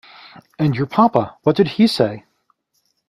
And your papa; what did he say?